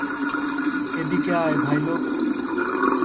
এদিকে আয়, ভাইলোগ।